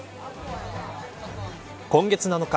今月７日